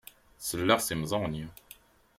Selleɣ s imeẓẓuɣen-iw.